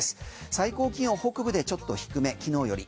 最高気温、北部でちょっと低め昨日より。